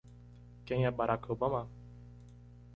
Quem é Barack Obama?